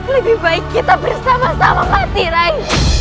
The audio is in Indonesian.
lebih baik kita bersama sama mati rai